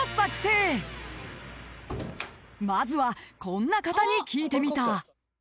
［まずはこんな方に聞いてみた］